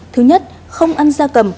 thứ nhất không ăn da cầm